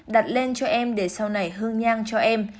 đặt lên cho em để sau này hương nhang cho em